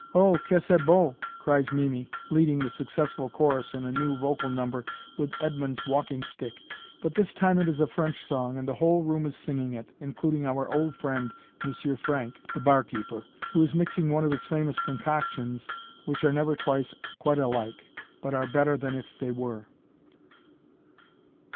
"Oh, que c'est beau!" cries Mimi, leading the successful chorus in a new vocal number with Edmond's walking stick; but this time it is a French song and the whole room is singing it, including our old friend, Monsieur Frank, the barkeeper, who is mixing one of his famous concoctions which are never twice quite alike, but are better than if they were.